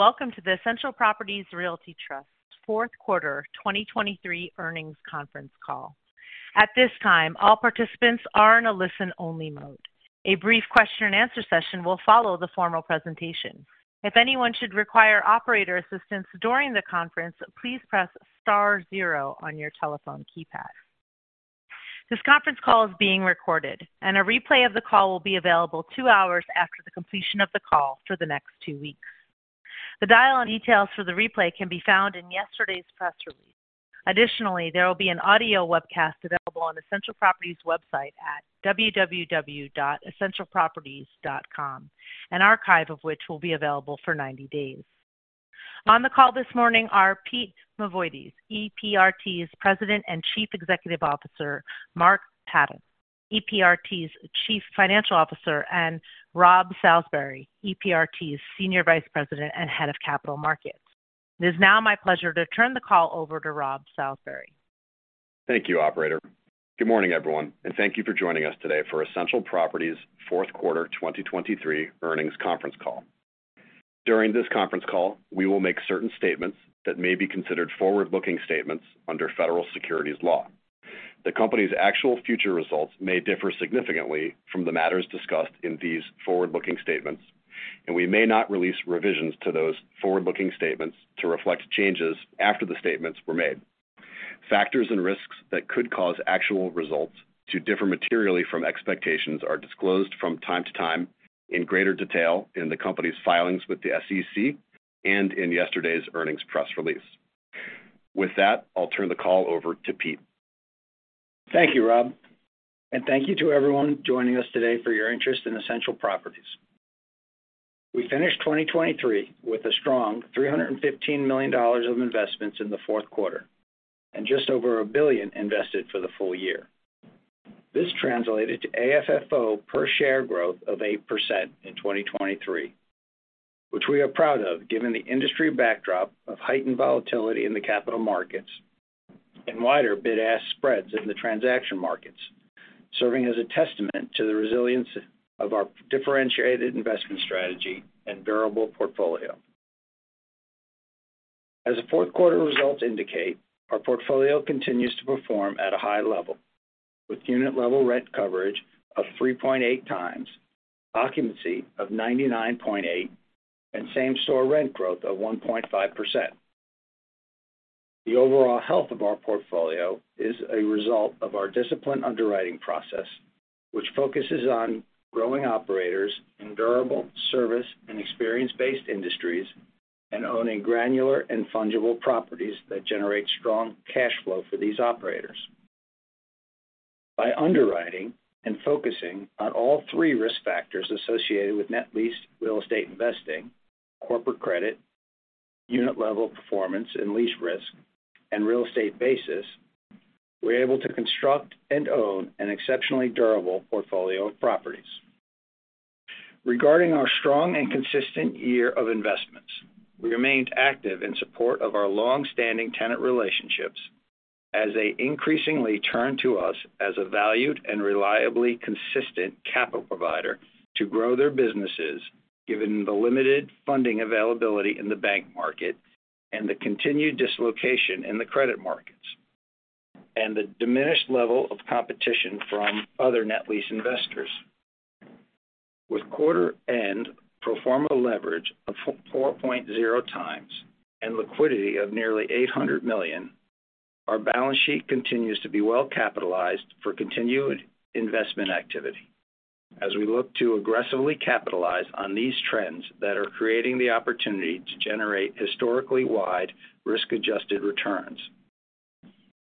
Welcome to the Essential Properties Realty Trust's fourth quarter 2023 earnings conference call. At this time, all participants are in a listen-only mode. A brief question-and-answer session will follow the formal presentation. If anyone should require operator assistance during the conference, please press star zero on your telephone keypad. This conference call is being recorded, and a replay of the call will be available two hours after the completion of the call for the next two weeks. The dial-in details for the replay can be found in yesterday's press release. Additionally, there will be an audio webcast available on Essential Properties' website at www.essentialproperties.com, an archive of which will be available for 90 days. On the call this morning are Pete Mavoides, EPRT's President and Chief Executive Officer; Mark Patten, EPRT's Chief Financial Officer; and Rob Salisbury, EPRT's Senior Vice President and Head of Capital Markets. It is now my pleasure to turn the call over to Rob Salisbury. Thank you, Operator. Good morning, everyone, and thank you for joining us today for Essential Properties' fourth quarter 2023 earnings conference call. During this conference call, we will make certain statements that may be considered forward-looking statements under federal securities law. The company's actual future results may differ significantly from the matters discussed in these forward-looking statements, and we may not release revisions to those forward-looking statements to reflect changes after the statements were made. Factors and risks that could cause actual results to differ materially from expectations are disclosed from time to time in greater detail in the company's filings with the SEC and in yesterday's earnings press release. With that, I'll turn the call over to Pete. Thank you, Rob, and thank you to everyone joining us today for your interest in Essential Properties. We finished 2023 with a strong $315 million of investments in the fourth quarter and just over $1 billion invested for the full year. This translated to AFFO per share growth of 8% in 2023, which we are proud of given the industry backdrop of heightened volatility in the capital markets and wider bid-ask spreads in the transaction markets, serving as a testament to the resilience of our differentiated investment strategy and variable portfolio. As the fourth quarter results indicate, our portfolio continues to perform at a high level, with unit-level rent coverage of 3.8 times, occupancy of 99.8%, and same-store rent growth of 1.5%. The overall health of our portfolio is a result of our disciplined underwriting process, which focuses on growing operators in durable, service, and experience-based industries and owning granular and fungible properties that generate strong cash flow for these operators. By underwriting and focusing on all three risk factors associated with net leased real estate investing, corporate credit, unit-level performance and lease risk, and real estate basis, we're able to construct and own an exceptionally durable portfolio of properties. Regarding our strong and consistent year of investments, we remained active in support of our longstanding tenant relationships as they increasingly turned to us as a valued and reliably consistent capital provider to grow their businesses given the limited funding availability in the bank market and the continued dislocation in the credit markets and the diminished level of competition from other net lease investors. With quarter-end pro forma leverage of 4.0x and liquidity of nearly $800 million, our balance sheet continues to be well capitalized for continued investment activity as we look to aggressively capitalize on these trends that are creating the opportunity to generate historically wide risk-adjusted returns.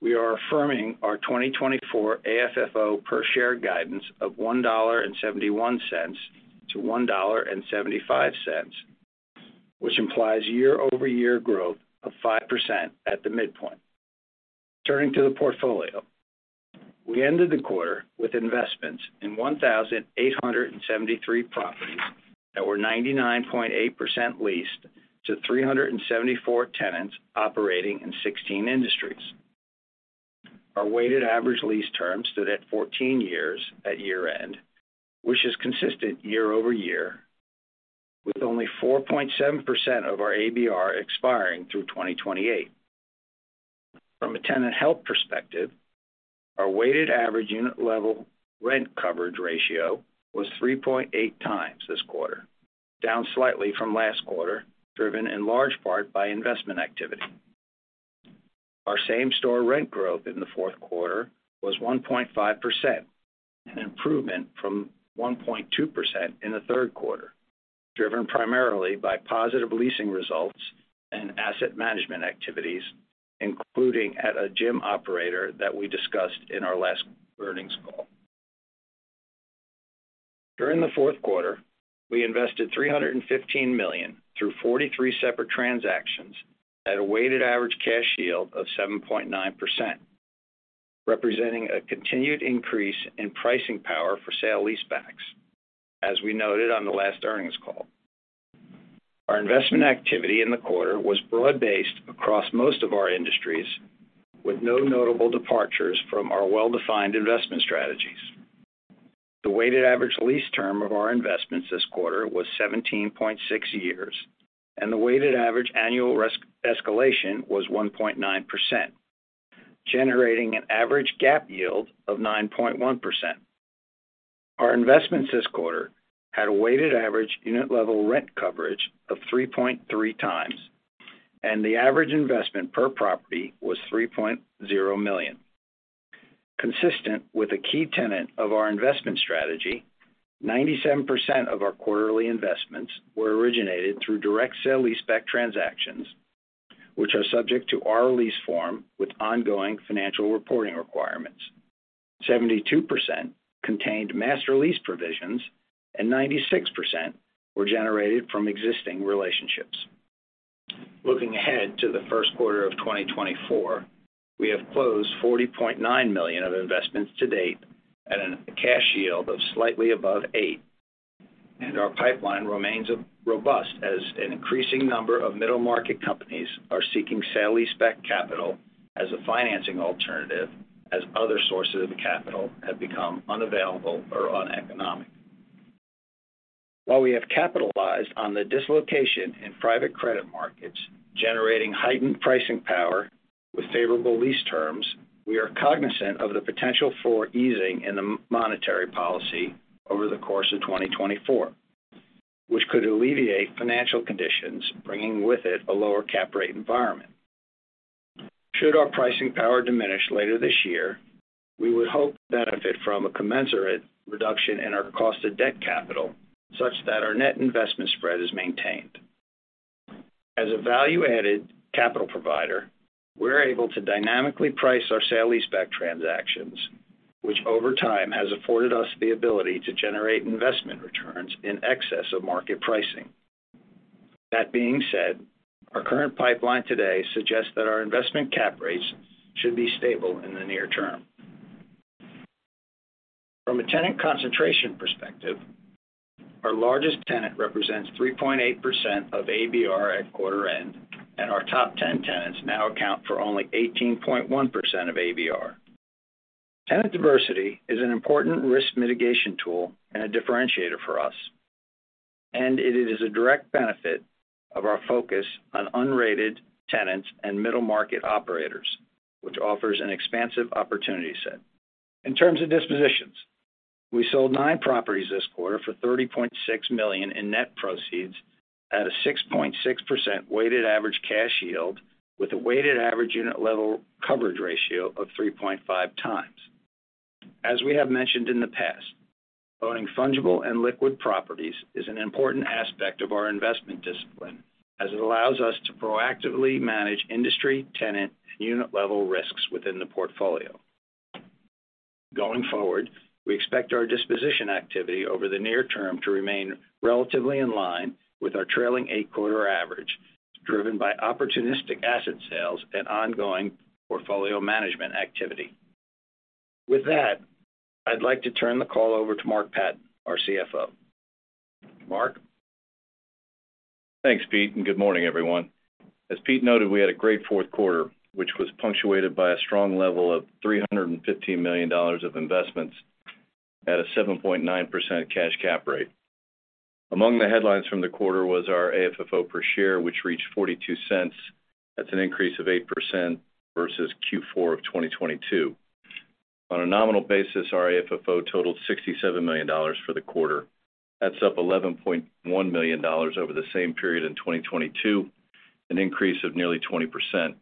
We are affirming our 2024 AFFO per share guidance of $1.71-$1.75, which implies year-over-year growth of 5% at the midpoint. Turning to the portfolio, we ended the quarter with investments in 1,873 properties that were 99.8% leased to 374 tenants operating in 16 industries. Our weighted average lease term stood at 14 years at year-end, which is consistent year-over-year, with only 4.7% of our ABR expiring through 2028. From a tenant health perspective, our weighted average unit-level rent coverage ratio was 3.8x this quarter, down slightly from last quarter, driven in large part by investment activity. Our same-store rent growth in the fourth quarter was 1.5%, an improvement from 1.2% in the third quarter, driven primarily by positive leasing results and asset management activities, including at a gym operator that we discussed in our last earnings call. During the fourth quarter, we invested $315 million through 43 separate transactions at a weighted average cash yield of 7.9%, representing a continued increase in pricing power for sale leasebacks, as we noted on the last earnings call. Our investment activity in the quarter was broad-based across most of our industries, with no notable departures from our well-defined investment strategies. The weighted average lease term of our investments this quarter was 17.6 years, and the weighted average annual escalation was 1.9%, generating an average GAAP yield of 9.1%. Our investments this quarter had a weighted average unit-level rent coverage of 3.3 times, and the average investment per property was $3.0 million. Consistent with a key tenet of our investment strategy, 97% of our quarterly investments were originated through direct sale-leaseback transactions, which are subject to RO lease form with ongoing financial reporting requirements. 72% contained Master Lease provisions, and 96% were generated from existing relationships. Looking ahead to the first quarter of 2024, we have closed $40.9 million of investments to date at a cash yield of slightly above 8, and our pipeline remains robust as an increasing number of middle-market companies are seeking sale-leaseback capital as a financing alternative as other sources of capital have become unavailable or uneconomic. While we have capitalized on the dislocation in private credit markets generating heightened pricing power with favorable lease terms, we are cognizant of the potential for easing in the monetary policy over the course of 2024, which could alleviate financial conditions bringing with it a lower cap rate environment. Should our pricing power diminish later this year, we would hope to benefit from a commensurate reduction in our cost-of-debt capital such that our net investment spread is maintained. As a value-added capital provider, we're able to dynamically price our sale-leaseback transactions, which over time has afforded us the ability to generate investment returns in excess of market pricing. That being said, our current pipeline today suggests that our investment cap rates should be stable in the near term. From a tenant concentration perspective, our largest tenant represents 3.8% of ABR at quarter-end, and our top 10 tenants now account for only 18.1% of ABR. Tenant diversity is an important risk mitigation tool and a differentiator for us, and it is a direct benefit of our focus on unrated tenants and middle-market operators, which offers an expansive opportunity set. In terms of dispositions, we sold 9 properties this quarter for $30.6 million in net proceeds at a 6.6% weighted average cash yield with a weighted average unit-level coverage ratio of 3.5 times. As we have mentioned in the past, owning fungible and liquid properties is an important aspect of our investment discipline as it allows us to proactively manage industry, tenant, and unit-level risks within the portfolio. Going forward, we expect our disposition activity over the near term to remain relatively in line with our trailing eight-quarter average, driven by opportunistic asset sales and ongoing portfolio management activity. With that, I'd like to turn the call over to Mark Patten, our CFO. Mark? Thanks, Pete, and good morning, everyone. As Pete noted, we had a great fourth quarter, which was punctuated by a strong level of $315 million of investments at a 7.9% cash cap rate. Among the headlines from the quarter was our AFFO per share, which reached $0.42. That's an increase of 8% versus Q4 of 2022. On a nominal basis, our AFFO totaled $67 million for the quarter. That's up $11.1 million over the same period in 2022, an increase of nearly 20%.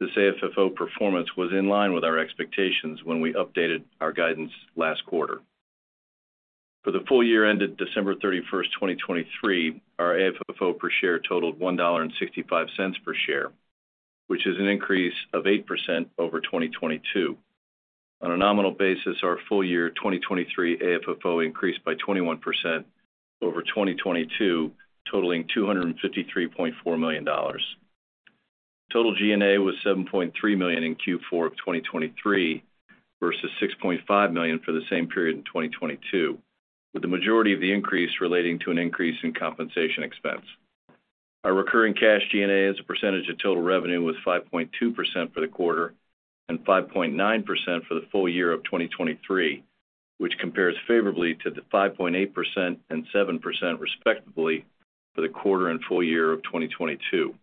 This AFFO performance was in line with our expectations when we updated our guidance last quarter. For the full year ended December 31, 2023, our AFFO per share totaled $1.65 per share, which is an increase of 8% over 2022. On a nominal basis, our full year 2023 AFFO increased by 21% over 2022, totaling $253.4 million. Total G&A was $7.3 million in Q4 of 2023 versus $6.5 million for the same period in 2022, with the majority of the increase relating to an increase in compensation expense. Our recurring cash G&A as a percentage of total revenue was 5.2% for the quarter and 5.9% for the full year of 2023, which compares favorably to the 5.8% and 7% respectively for the quarter and full year of 2022.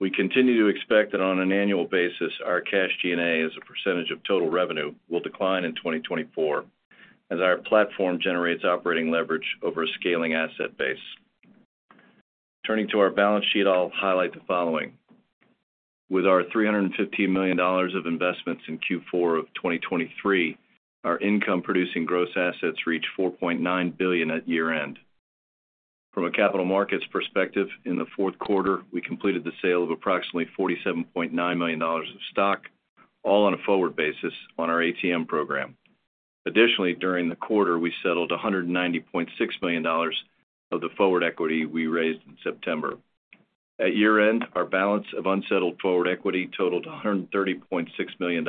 We continue to expect that on an annual basis, our cash G&A as a percentage of total revenue will decline in 2024 as our platform generates operating leverage over a scaling asset base. Turning to our balance sheet, I'll highlight the following. With our $315 million of investments in Q4 of 2023, our income-producing gross assets reached $4.9 billion at year-end. From a capital markets perspective, in the fourth quarter, we completed the sale of approximately $47.9 million of stock, all on a forward basis on our ATM program. Additionally, during the quarter, we settled $190.6 million of the forward equity we raised in September. At year-end, our balance of unsettled forward equity totaled $130.6 million.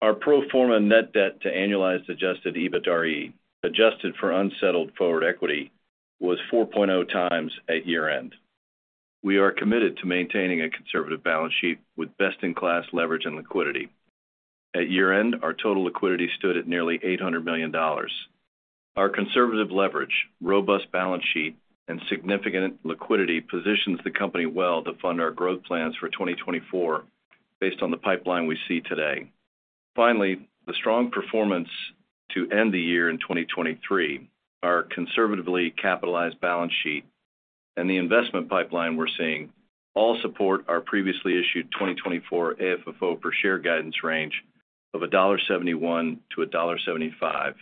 Our pro forma net debt to annualized adjusted EBITRE, adjusted for unsettled forward equity, was 4.0x at year-end. We are committed to maintaining a conservative balance sheet with best-in-class leverage and liquidity. At year-end, our total liquidity stood at nearly $800 million. Our conservative leverage, robust balance sheet, and significant liquidity positions the company well to fund our growth plans for 2024 based on the pipeline we see today. Finally, the strong performance to end the year in 2023, our conservatively capitalized balance sheet, and the investment pipeline we're seeing all support our previously issued 2024 AFFO per share guidance range of $1.71-$1.75,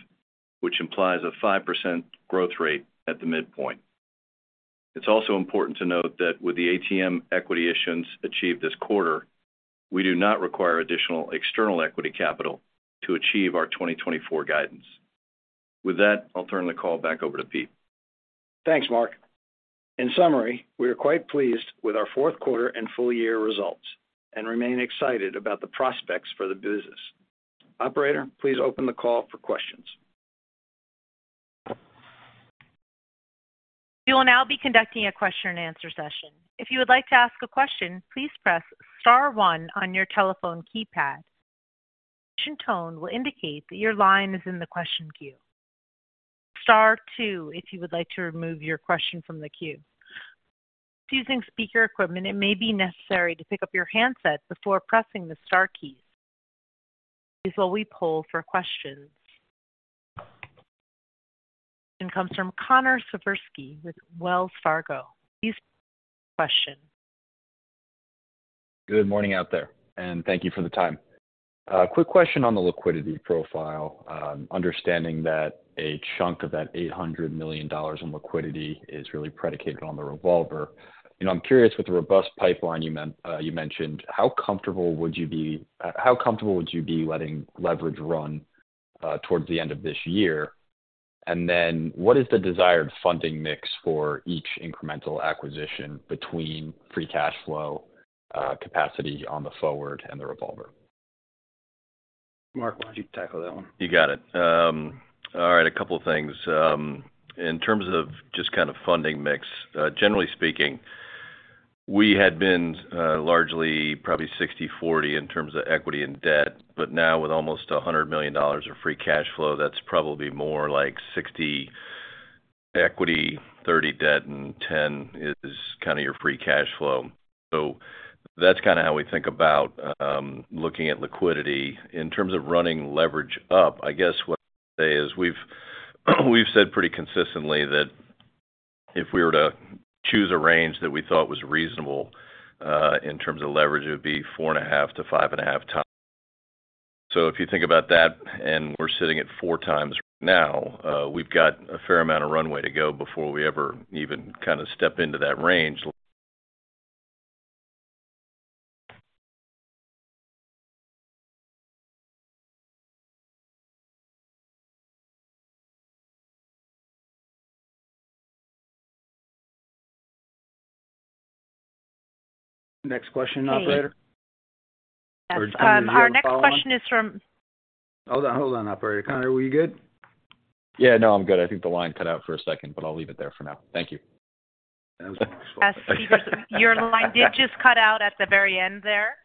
which implies a 5% growth rate at the midpoint. It's also important to note that with the ATM equity issuance achieved this quarter, we do not require additional external equity capital to achieve our 2024 guidance. With that, I'll turn the call back over to Pete. Thanks, Mark. In summary, we are quite pleased with our fourth quarter and full year results and remain excited about the prospects for the business. Operator, please open the call for questions. You will now be conducting a question-and-answer session. If you would like to ask a question, please press *1 on your telephone keypad. The question tone will indicate that your line is in the question queue. Press *2 if you would like to remove your question from the queue. Using speaker equipment, it may be necessary to pick up your handset before pressing the * keys. Please hold while we pull for questions. The question comes from Connor Siversky with Wells Fargo. Please press question. Good morning out there, and thank you for the time. Quick question on the liquidity profile, understanding that a chunk of that $800 million in liquidity is really predicated on the revolver. I'm curious, with the robust pipeline you mentioned, how comfortable would you be letting leverage run towards the end of this year? And then what is the desired funding mix for each incremental acquisition between free cash flow, capacity on the forward, and the revolver? Mark, why don't you tackle that one? You got it. All right, a couple of things. In terms of just kind of funding mix, generally speaking, we had been largely probably 60/40 in terms of equity and debt, but now with almost $100 million of free cash flow, that's probably more like 60 equity, 30 debt, and 10 is kind of your free cash flow. So that's kind of how we think about looking at liquidity. In terms of running leverage up, I guess what I'd say is we've said pretty consistently that if we were to choose a range that we thought was reasonable in terms of leverage, it would be 4.5x-5.5x. So if you think about that and we're sitting at 4x right now, we've got a fair amount of runway to go before we ever even kind of step into that range. Next question, operator. Our next question is from. Hold on, operator. Connor, were you good? Yeah, no, I'm good. I think the line cut out for a second, but I'll leave it there for now. Thank you. That was. Your line did just cut out at the very end there.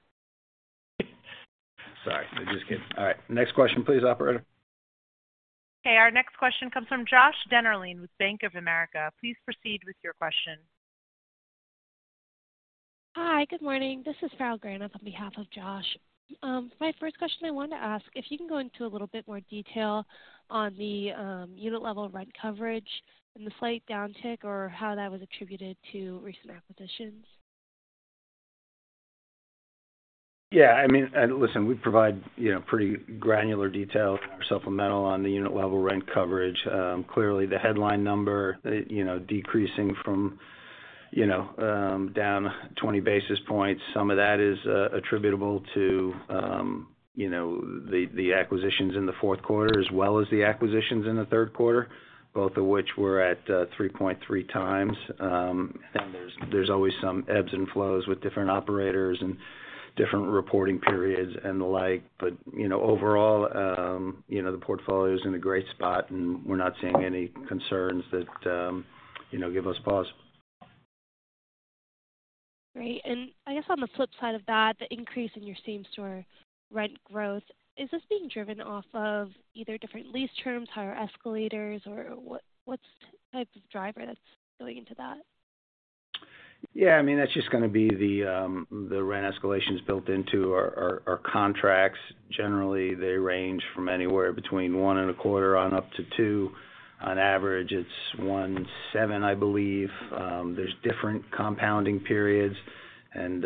Sorry, I just kidded. All right, next question, please, operator. Okay, our next question comes from Josh Dennerlein with Bank of America. Please proceed with your question. Hi, good morning. This is Farrell Granath on behalf of Josh. My first question, I wanted to ask if you can go into a little bit more detail on the unit-level rent coverage and the slight downtick or how that was attributed to recent acquisitions? Yeah, I mean, listen, we provide pretty granular detail and our supplemental on the unit-level rent coverage. Clearly, the headline number decreasing from down 20 basis points, some of that is attributable to the acquisitions in the fourth quarter as well as the acquisitions in the third quarter, both of which were at 3.3 times. There's always some ebbs and flows with different operators and different reporting periods and the like. Overall, the portfolio is in a great spot, and we're not seeing any concerns that give us pause. Great. I guess on the flip side of that, the increase in your same-store rent growth, is this being driven off of either different lease terms, higher escalators, or what type of driver that's going into that? Yeah, I mean, that's just going to be the rent escalations built into our contracts. Generally, they range from anywhere between 1.25% on up to 2%. On average, it's 1.7%, I believe. There's different compounding periods. And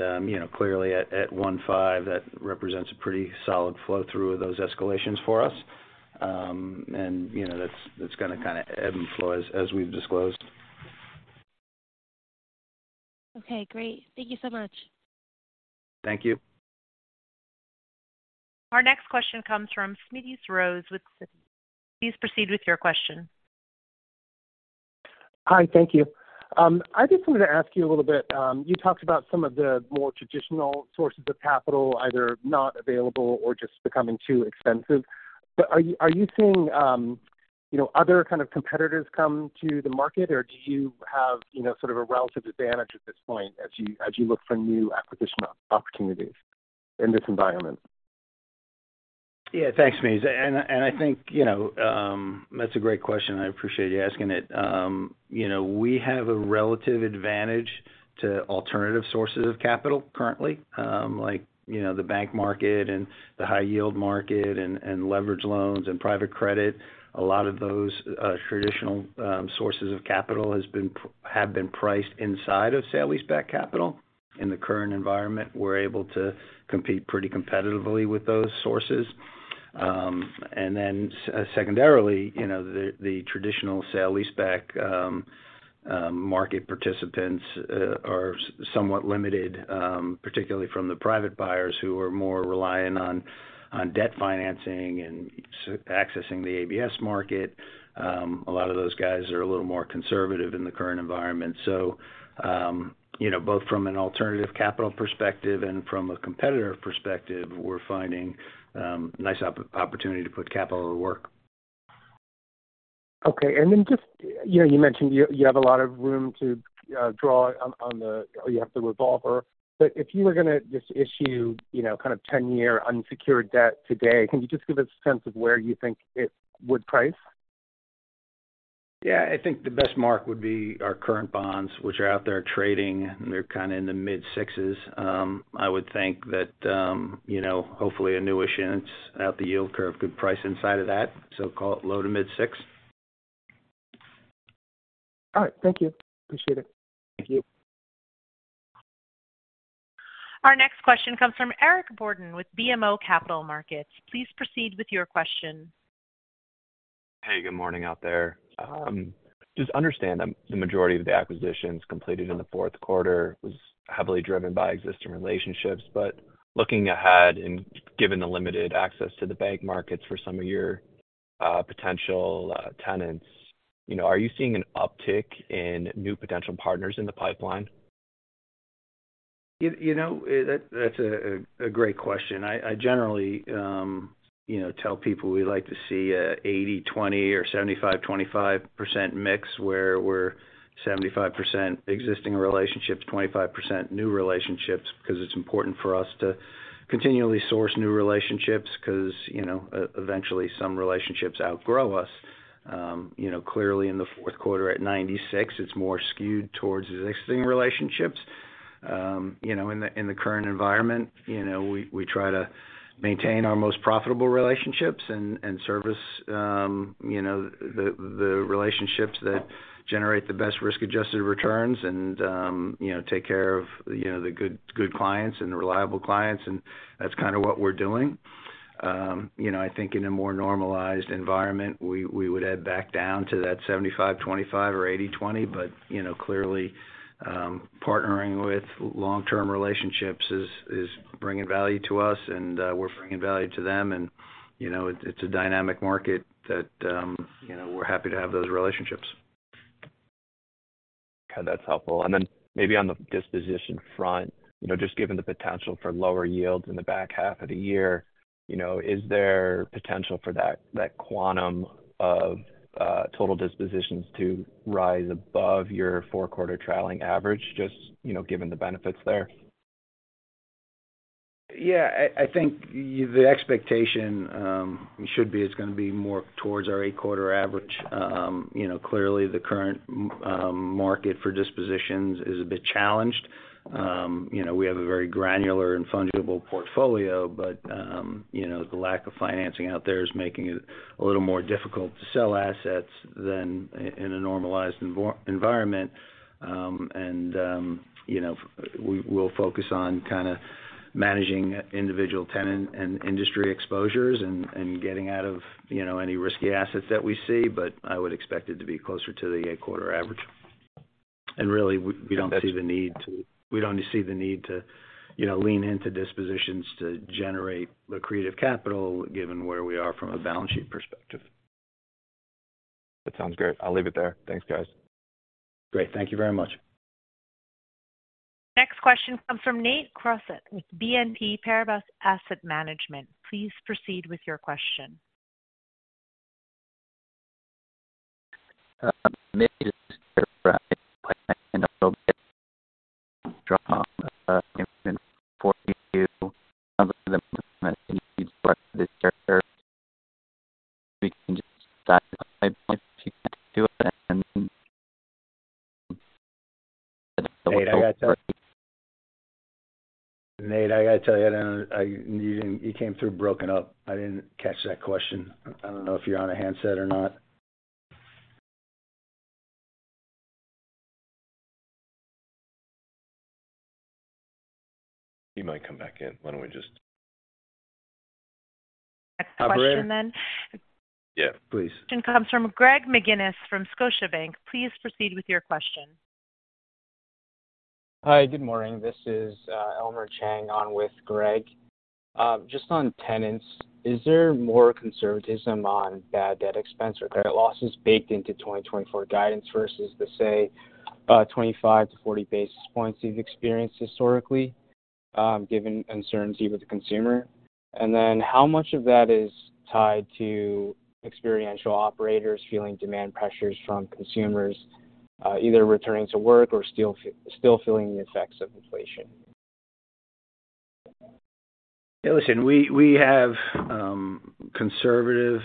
clearly, at 1.5%, that represents a pretty solid flow-through of those escalations for us. And that's going to kind of ebb and flow as we've disclosed. Okay, great. Thank you so much. Thank you. Our next question comes from Smedes Rose with Citi. Please proceed with your question. Hi, thank you. I just wanted to ask you a little bit. You talked about some of the more traditional sources of capital, either not available or just becoming too expensive. But are you seeing other kind of competitors come to the market, or do you have sort of a relative advantage at this point as you look for new acquisition opportunities in this environment? Yeah, thanks, Smedes. And I think that's a great question. I appreciate you asking it. We have a relative advantage to alternative sources of capital currently, like the bank market and the high-yield market and leveraged loans and private credit. A lot of those traditional sources of capital have been priced inside of sale leaseback capital. In the current environment, we're able to compete pretty competitively with those sources. And then secondarily, the traditional sale leaseback market participants are somewhat limited, particularly from the private buyers who are more reliant on debt financing and accessing the ABS market. A lot of those guys are a little more conservative in the current environment. So both from an alternative capital perspective and from a competitor perspective, we're finding a nice opportunity to put capital to work. Okay, and then just you mentioned you have a lot of room to draw on the revolver. But if you were going to just issue kind of 10-year unsecured debt today, can you just give us a sense of where you think it would price? Yeah, I think the best mark would be our current bonds, which are out there trading. They're kind of in the mid-sixes. I would think that hopefully a new issuance at the yield curve could price inside of that, so-called low to mid-six. All right, thank you. Appreciate it. Thank you. Our next question comes from Eric Borden with BMO Capital Markets. Please proceed with your question. Hey, good morning out there. Just understand the majority of the acquisitions completed in the fourth quarter was heavily driven by existing relationships. But looking ahead and given the limited access to the bank markets for some of your potential tenants, are you seeing an uptick in new potential partners in the pipeline? That's a great question. I generally tell people we like to see an 80/20 or 75/25 percent mix where we're 75% existing relationships, 25% new relationships because it's important for us to continually source new relationships because eventually some relationships outgrow us. Clearly, in the fourth quarter at 96%, it's more skewed towards existing relationships. In the current environment, we try to maintain our most profitable relationships and service the relationships that generate the best risk-adjusted returns and take care of the good clients and the reliable clients. And that's kind of what we're doing. I think in a more normalized environment, we would ebb back down to that 75/25 or 80/20. But clearly, partnering with long-term relationships is bringing value to us, and we're bringing value to them. And it's a dynamic market that we're happy to have those relationships. Okay, that's helpful. And then maybe on the disposition front, just given the potential for lower yields in the back half of the year, is there potential for that quantum of total dispositions to rise above your four-quarter trailing average, just given the benefits there? Yeah, I think the expectation should be it's going to be more towards our eight-quarter average. Clearly, the current market for dispositions is a bit challenged. We have a very granular and fungible portfolio, but the lack of financing out there is making it a little more difficult to sell assets than in a normalized environment. We'll focus on kind of managing individual tenant and industry exposures and getting out of any risky assets that we see. I would expect it to be closer to the eight-quarter average. Really, we don't see the need to lean into dispositions to generate lucrative capital, given where we are from a balance sheet perspective. That sounds great. I'll leave it there. Thanks, guys. Great. Thank you very much. Next question comes from Nate Crossett with BNP Paribas Asset Management. Please proceed with your question. Mate is clarifying a little bit. Sounds like the needs for this year. We can just dive in if you can do it, and. Nate, I got to tell you, I don't know. You came through broken up. I didn't catch that question. I don't know if you're on a handset or not? He might come back in. Why don't we just. Next question then. Yeah, please. Comes from Greg McGinnis from Scotiabank. Please proceed with your question. Hi, good morning. This is Elmer Chang on with Greg. Just on tenants, is there more conservatism on bad debt expense or credit losses baked into 2024 guidance versus the, say, 25-40 basis points you've experienced historically, given uncertainty with the consumer? And then how much of that is tied to experiential operators feeling demand pressures from consumers either returning to work or still feeling the effects of inflation? Yeah, listen, we have conservative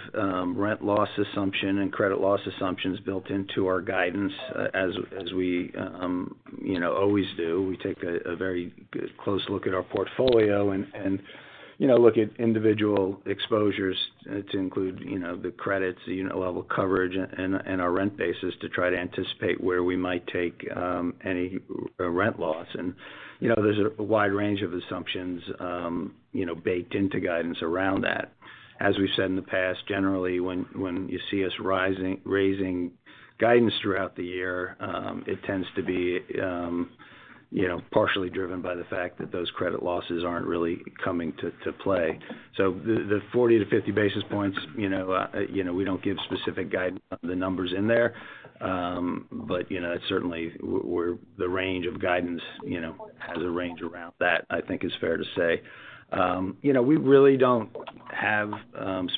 rent loss assumption and credit loss assumptions built into our guidance as we always do. We take a very close look at our portfolio and look at individual exposures to include the credits, the unit-level coverage, and our rent basis to try to anticipate where we might take any rent loss. And there's a wide range of assumptions baked into guidance around that. As we've said in the past, generally, when you see us raising guidance throughout the year, it tends to be partially driven by the fact that those credit losses aren't really coming to play. So the 40-50 basis points, we don't give specific guidance on the numbers in there. But certainly, the range of guidance has a range around that, I think is fair to say. We really don't have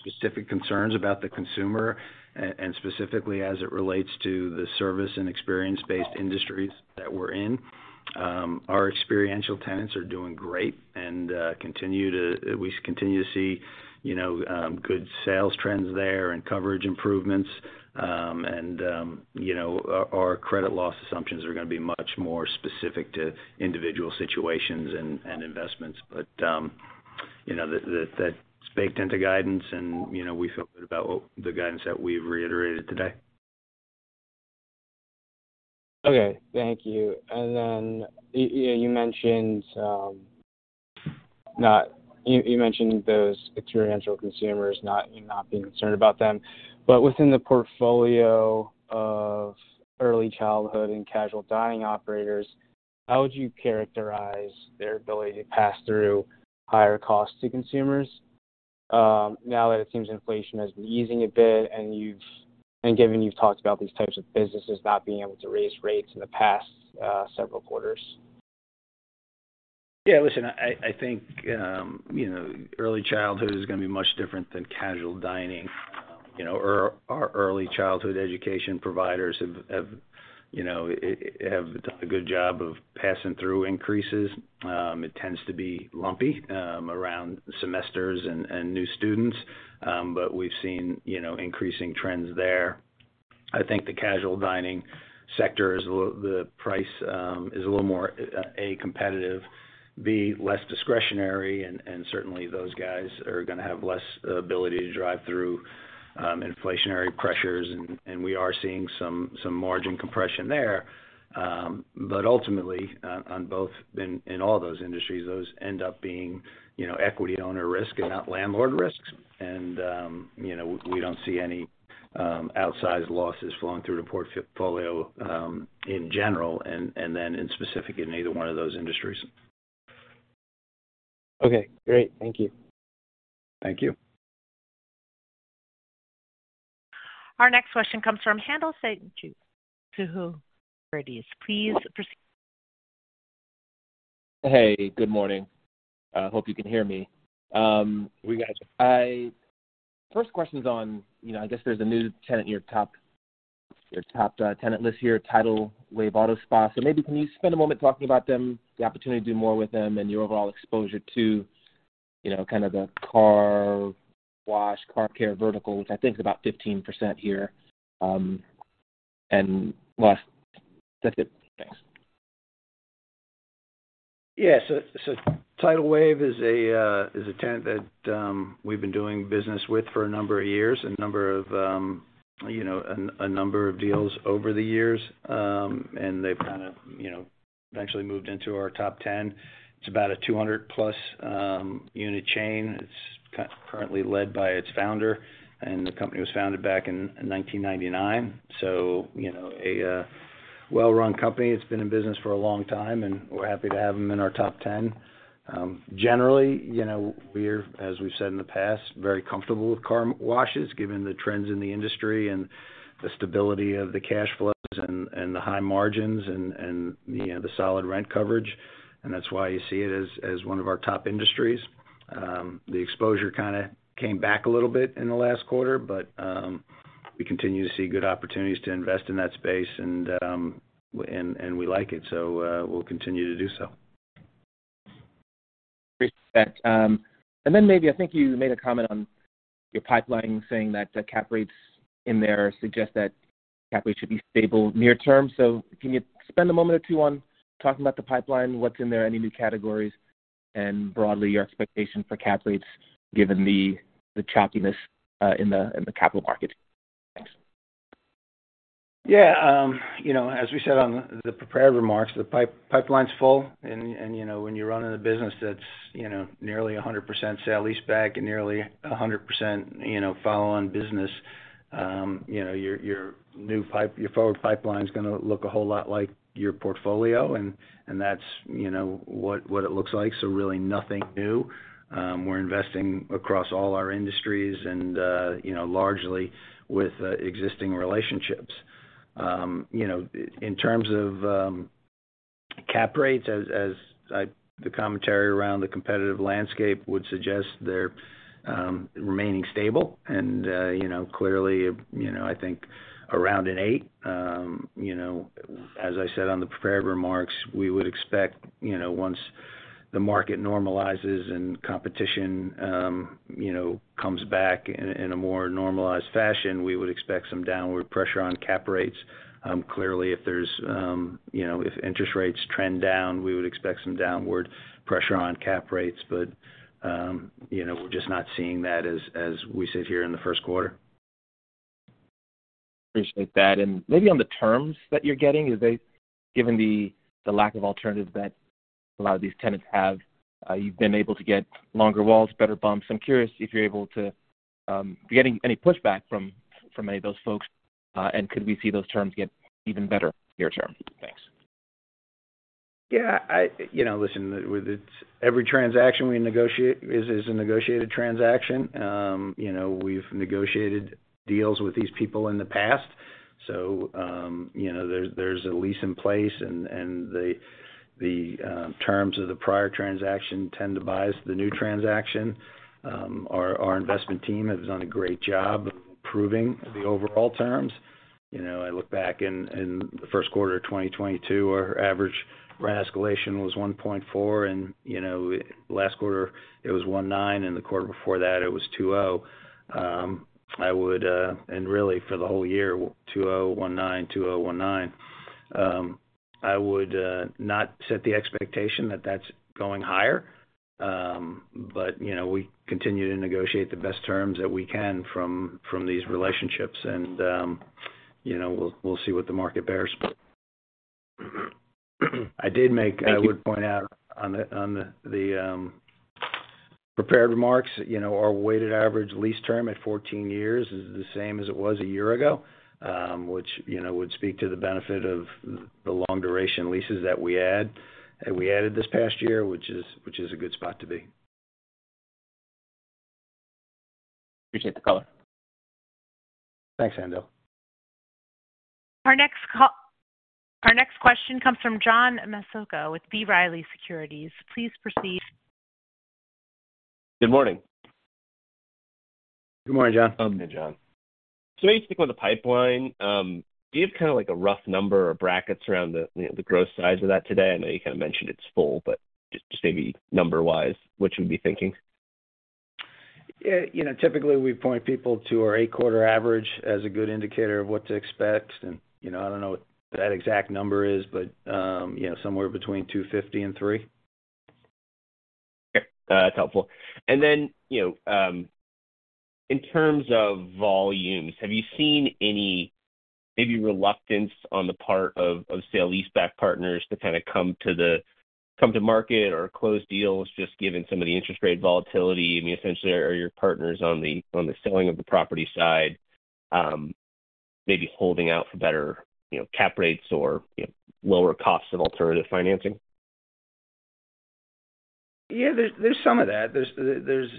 specific concerns about the consumer and specifically as it relates to the service and experience-based industries that we're in. Our experiential tenants are doing great and continue to see good sales trends there and coverage improvements. Our credit loss assumptions are going to be much more specific to individual situations and investments. That's baked into guidance, and we feel good about the guidance that we've reiterated today. Okay, thank you. And then you mentioned those experiential consumers not being concerned about them. But within the portfolio of early childhood and casual dining operators, how would you characterize their ability to pass through higher costs to consumers now that it seems inflation has been easing a bit and given you've talked about these types of businesses not being able to raise rates in the past several quarters? Yeah, listen, I think early childhood is going to be much different than casual dining. Our early childhood education providers have done a good job of passing through increases. It tends to be lumpy around semesters and new students, but we've seen increasing trends there. I think the casual dining sector, the price is a little more, A, competitive, B, less discretionary. And certainly, those guys are going to have less ability to drive through inflationary pressures. And we are seeing some margin compression there. But ultimately, in all those industries, those end up being equity owner risk and not landlord risks. And we don't see any outsized losses flowing through the portfolio in general and then in specific in either one of those industries. Okay, great. Thank you. Thank you. Our next question comes from Haendel St. Juste. Please proceed. Hey, good morning. Hope you can hear me. First question's on, I guess there's a new tenant in your top tenant list here, Tidal Wave Auto Spa. So maybe can you spend a moment talking about them, the opportunity to do more with them, and your overall exposure to kind of the car wash, car care vertical, which I think is about 15% here. And that's it. Thanks. Yeah, so Tidal Wave is a tenant that we've been doing business with for a number of years and a number of a number of deals over the years. And they've kind of eventually moved into our top 10. It's about a 200+ unit chain. It's currently led by its founder. And the company was founded back in 1999. So a well-run company. It's been in business for a long time, and we're happy to have them in our top 10. Generally, we're, as we've said in the past, very comfortable with car washes, given the trends in the industry and the stability of the cash flows and the high margins and the solid rent coverage. And that's why you see it as one of our top industries. The exposure kind of came back a little bit in the last quarter, but we continue to see good opportunities to invest in that space, and we like it. So we'll continue to do so. Then maybe I think you made a comment on your pipeline saying that cap rates in there suggest that cap rates should be stable near term. Can you spend a moment or two talking about the pipeline, what's in there, any new categories, and broadly your expectation for cap rates, given the choppiness in the capital market? Thanks. Yeah, as we said on the prepared remarks, the pipeline's full. When you run in a business that's nearly 100% sale lease back and nearly 100% follow-on business, your forward pipeline is going to look a whole lot like your portfolio, and that's what it looks like. Really nothing new. We're investing across all our industries and largely with existing relationships. In terms of cap rates, as the commentary around the competitive landscape would suggest, they're remaining stable. Clearly, I think around an 8. As I said on the prepared remarks, we would expect once the market normalizes and competition comes back in a more normalized fashion, we would expect some downward pressure on cap rates. Clearly, if interest rates trend down, we would expect some downward pressure on cap rates. But we're just not seeing that as we sit here in the first quarter. Appreciate that. Maybe on the terms that you're getting, given the lack of alternatives that a lot of these tenants have, you've been able to get longer walls, better bumps. I'm curious if you're getting any pushback from any of those folks, and could we see those terms get even better near term? Thanks. Yeah, listen, every transaction we negotiate is a negotiated transaction. We've negotiated deals with these people in the past. So there's a lease in place, and the terms of the prior transaction tend to bias the new transaction. Our investment team has done a great job of improving the overall terms. I look back in the first quarter of 2022, our average rent escalation was 1.4. And last quarter, it was 1.9. And the quarter before that, it was 2.0. And really, for the whole year, 2.0, 1.9, 2.0, 1.9. I would not set the expectation that that's going higher, but we continue to negotiate the best terms that we can from these relationships. And we'll see what the market bears. I would point out on the prepared remarks, our weighted average lease term at 14 years is the same as it was a year ago, which would speak to the benefit of the long-duration leases that we added this past year, which is a good spot to be. Appreciate the caller. Thanks, Handel. Our next question comes from John Massocca with B. Riley Securities. Please proceed. Good morning. Good morning, John. Hey, John. So basically, with the pipeline, do you have kind of a rough number or brackets around the gross size of that today? I know you kind of mentioned it's full, but just maybe number-wise, what you'd be thinking? Yeah, typically, we point people to our 8-quarter average as a good indicator of what to expect. I don't know what that exact number is, but somewhere between 2.50 and 3. Okay, that's helpful. And then in terms of volumes, have you seen any maybe reluctance on the part of sale lease back partners to kind of come to market or close deals, just given some of the interest rate volatility? I mean, essentially, are your partners on the selling of the property side maybe holding out for better cap rates or lower costs of alternative financing? Yeah, there's some of that. There's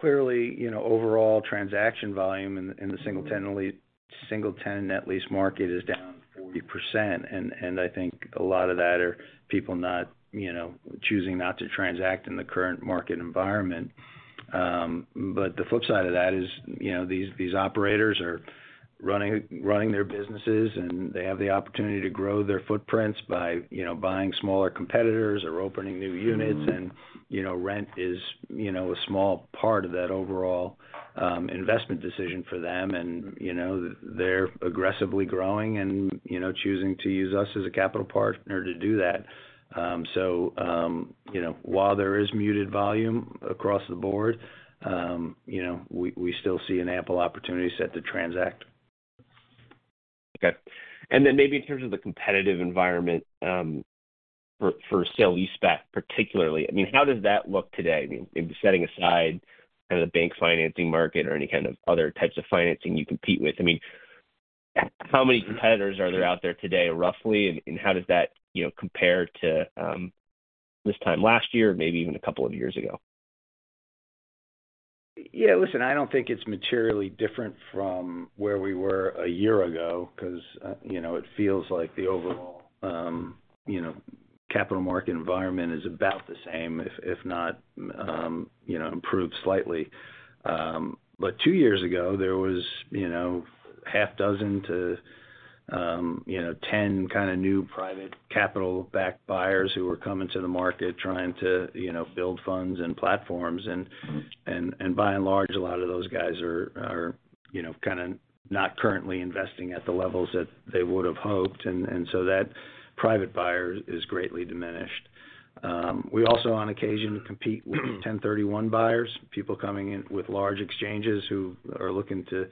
clearly overall transaction volume in the single-tenant lease market is down 40%. I think a lot of that are people not choosing not to transact in the current market environment. But the flip side of that is these operators are running their businesses, and they have the opportunity to grow their footprints by buying smaller competitors or opening new units. Rent is a small part of that overall investment decision for them. They're aggressively growing and choosing to use us as a capital partner to do that. So while there is muted volume across the board, we still see an ample opportunity set to transact. Okay. And then maybe in terms of the competitive environment for sale-leaseback particularly, I mean, how does that look today? I mean, setting aside kind of the bank financing market or any kind of other types of financing you compete with, I mean, how many competitors are there out there today, roughly? And how does that compare to this time last year or maybe even a couple of years ago? Yeah, listen, I don't think it's materially different from where we were a year ago because it feels like the overall capital market environment is about the same, if not improved slightly. But two years ago, there was 6-10 kind of new private capital-backed buyers who were coming to the market trying to build funds and platforms. And by and large, a lot of those guys are kind of not currently investing at the levels that they would have hoped. And so that private buyer is greatly diminished. We also, on occasion, compete with 1031 buyers, people coming in with large exchanges who are looking to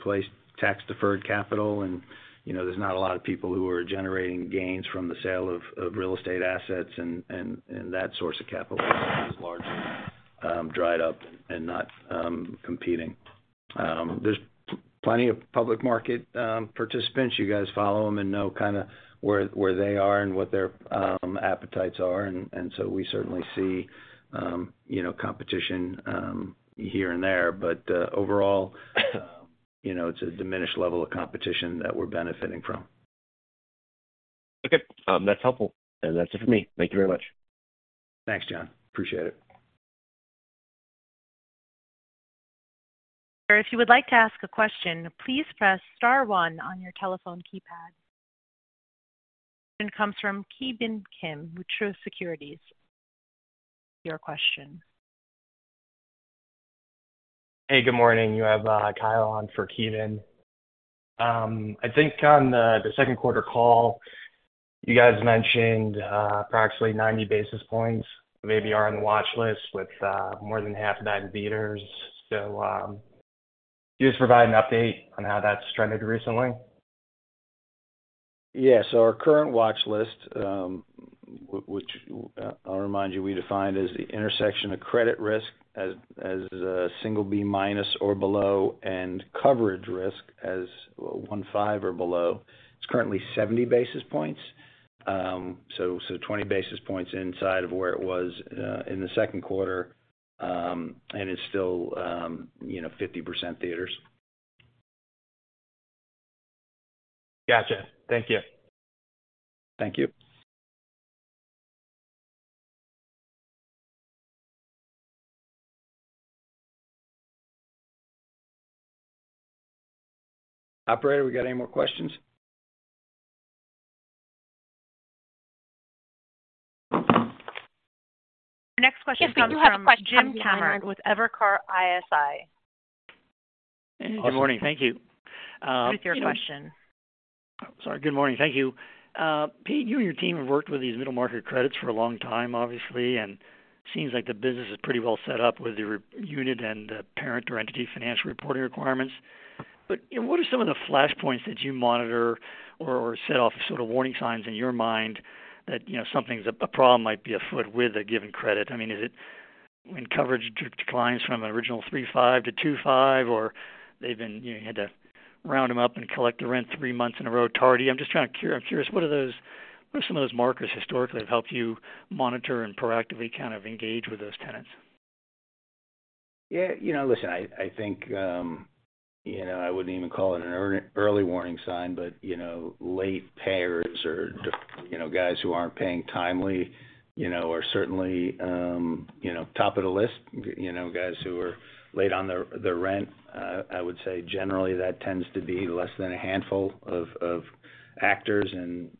place tax-deferred capital. And there's not a lot of people who are generating gains from the sale of real estate assets. And that source of capital is largely dried up and not competing. There's plenty of public market participants. You guys follow them and know kind of where they are and what their appetites are. And so we certainly see competition here and there. But overall, it's a diminished level of competition that we're benefiting from. Okay, that's helpful. That's it for me. Thank you very much. Thanks, John. Appreciate it. If you would like to ask a question, please press star 1 on your telephone keypad. The question comes from Ki Bin Kim with Truist Securities. Your question. Hey, good morning. You have Kyle on for Ki Bin. I think on the second quarter call, you guys mentioned approximately 90 basis points, maybe are on the watch list with more than half of that in beaters. So can you just provide an update on how that's trended recently? Yeah, so our current watch list, which I'll remind you we defined as the intersection of credit risk as single B minus or below and coverage risk as 1.5 or below, it's currently 70 basis points. So 20 basis points inside of where it was in the second quarter. And it's still 50% theaters. Gotcha. Thank you. Thank you. Operator, we got any more questions? Our next question comes from Jim Kammert with Evercore ISI. Good morning. Thank you. What is your question? Sorry. Good morning. Thank you. Pete, you and your team have worked with these middle market credits for a long time, obviously. It seems like the business is pretty well set up with your unit and parent or entity financial reporting requirements. But what are some of the flashpoints that you monitor or set off as sort of warning signs in your mind that something's a problem might be afoot with a given credit? I mean, when coverage declines from an original 3.5 to 2.5, or you had to round them up and collect the rent 3 months in a row tardy, I'm curious, what are some of those markers historically have helped you monitor and proactively kind of engage with those tenants? Yeah, listen, I think I wouldn't even call it an early warning sign, but late payers or guys who aren't paying timely are certainly top of the list. Guys who are late on their rent, I would say generally, that tends to be less than a handful of actors. And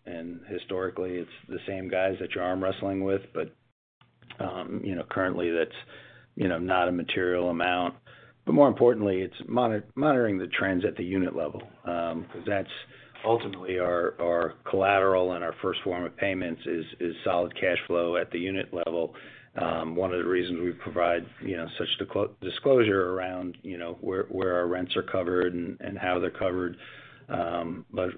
historically, it's the same guys that you're arm-wrestling with. But currently, that's not a material amount. But more importantly, it's monitoring the trends at the unit level because that's ultimately our collateral and our first form of payments is solid cash flow at the unit level. One of the reasons we provide such disclosure around where our rents are covered and how they're covered. But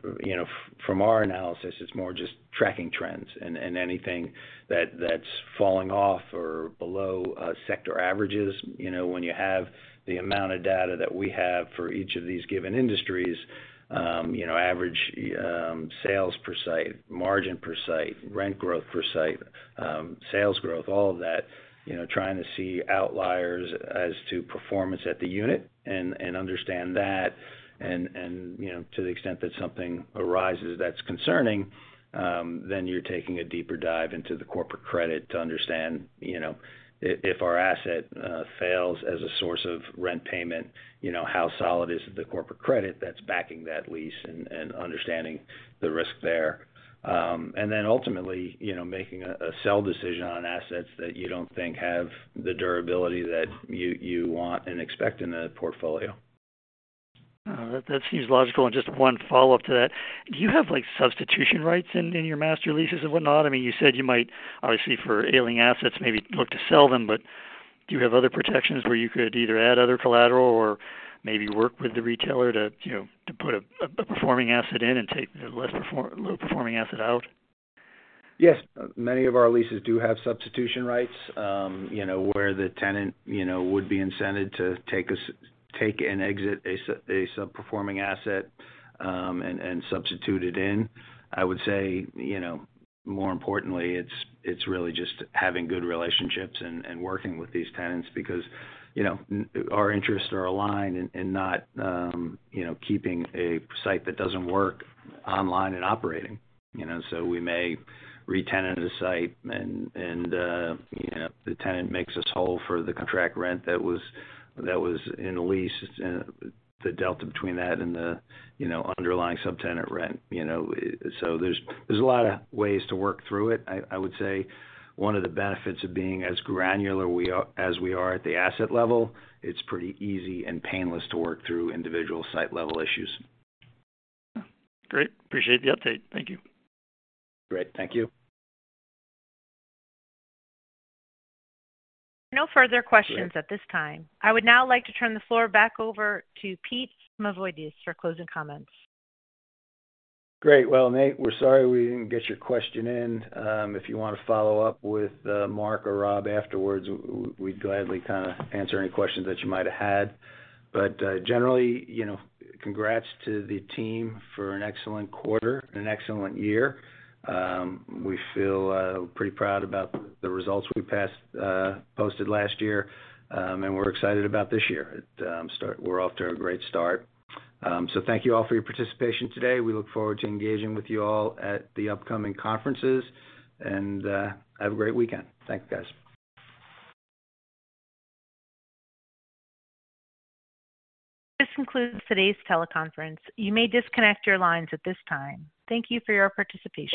from our analysis, it's more just tracking trends. Anything that's falling off or below sector averages, when you have the amount of data that we have for each of these given industries, average sales per site, margin per site, rent growth per site, sales growth, all of that, trying to see outliers as to performance at the unit and understand that. To the extent that something arises that's concerning, then you're taking a deeper dive into the corporate credit to understand if our asset fails as a source of rent payment, how solid is the corporate credit that's backing that lease and understanding the risk there. Then ultimately, making a sell decision on assets that you don't think have the durability that you want and expect in the portfolio. That seems logical. Just one follow-up to that, do you have substitution rights in your master leases and whatnot? I mean, you said you might, obviously, for ailing assets, maybe look to sell them. Do you have other protections where you could either add other collateral or maybe work with the retailer to put a performing asset in and take a low-performing asset out? Yes, many of our leases do have substitution rights where the tenant would be incentivized to take and exit an underperforming asset and substitute it in. I would say, more importantly, it's really just having good relationships and working with these tenants because our interests are aligned in not keeping a site that doesn't work online and operating. So we may re-tenant the site, and the tenant makes us whole for the contract rent that was in the lease, the delta between that and the underlying sub-tenant rent. So there's a lot of ways to work through it. I would say one of the benefits of being as granular as we are at the asset level, it's pretty easy and painless to work through individual site-level issues. Great. Appreciate the update. Thank you. Great. Thank you. No further questions at this time. I would now like to turn the floor back over to Pete Mavoides for closing comments. Great. Well, Nate, we're sorry we didn't get your question in. If you want to follow up with Mark or Rob afterwards, we'd gladly kind of answer any questions that you might have had. But generally, congrats to the team for an excellent quarter and an excellent year. We feel pretty proud about the results we posted last year. We're excited about this year. We're off to a great start. So thank you all for your participation today. We look forward to engaging with you all at the upcoming conferences. Have a great weekend. Thanks, guys. This concludes today's teleconference. You may disconnect your lines at this time. Thank you for your participation.